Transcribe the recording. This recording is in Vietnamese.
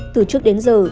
từ trước đến giờ